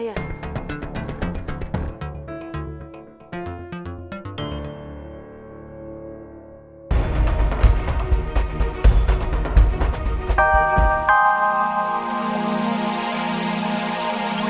pernah gimana nanti